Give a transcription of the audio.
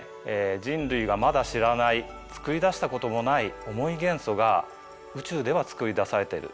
人類がまだ知らない作りだしたこともない重い元素が宇宙では作りだされている。